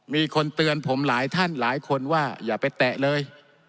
มีคนเตือนผมหลายท่านหลายคนว่าอย่าไปแตะเลย